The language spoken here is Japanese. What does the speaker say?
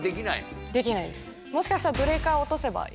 もしかしたら。